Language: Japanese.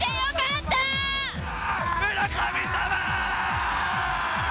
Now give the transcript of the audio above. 村神様！